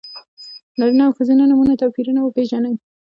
د نارینه او ښځینه نومونو توپیرونه وپېژنئ!